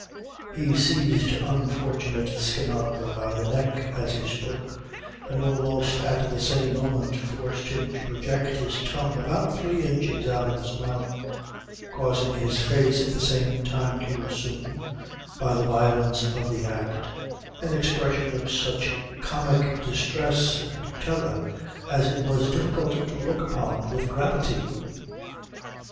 He seized unfortunate Skinadre by the neck, as he spoke, and almost at the same moment forced him to project his tongue about three inches out of his mouth, causing his face at the same time to assume, by the violence of the act, an expression of such comic distress and terror, as it was difficult to look upon with gravity.